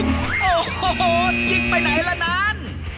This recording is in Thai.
โอ้โหยิงไปไหนล่ะนั้น